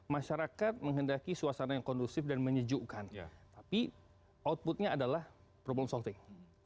masyarakat menghendaki suasana yang kondusif dan menyejukkan tapi outputnya adalah problem solving